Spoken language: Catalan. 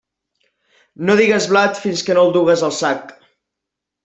No digues blat fins que no el dugues al sac.